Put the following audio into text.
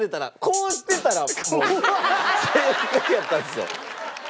こうしてたらもう正解やったんすよ。